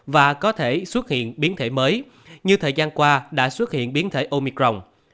và có thể xuất hiện biến thể mới như thời gian qua đã xuất hiện biến thể omicron